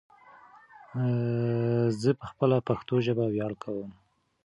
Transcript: ځه په خپله پشتو ژبه ویاړ کوم